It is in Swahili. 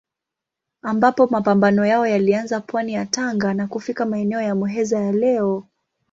Ambapo mapambano yao yalianza pwani ya Tanga na kufika maeneo ya Muheza ya leo.